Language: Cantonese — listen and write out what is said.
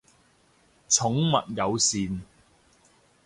寵物友善